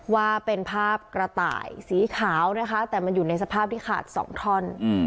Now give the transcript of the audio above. ว่าเป็นภาพกระต่ายสีขาวนะคะแต่มันอยู่ในสภาพที่ขาดสองท่อน